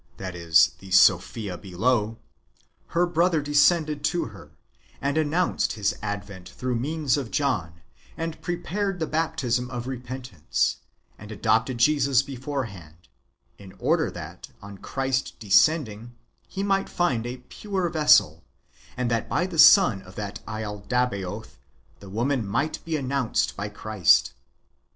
1 1 1 (that is, the Sophia below), her brother descended to her, and announced his advent through means of John, and pre pared the baptism of repentance, and adopted Jesus before hand, in order that on Christ descending: he mi^^ht find a pure vessel, and that by the son of that laldabaoth the woman might be announced by Christ.